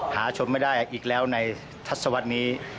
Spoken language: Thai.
หาชมไม่ได้อีกแล้วในทัศวรรษนี้